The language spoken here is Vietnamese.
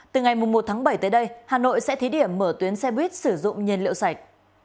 từ ngày một tháng bảy tới đây hà nội sẽ thí điểm mở tuyến xe buýt sử dụng nhiên liệu sạch